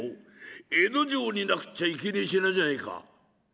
江戸城になくっちゃいけねえ品じゃねえか。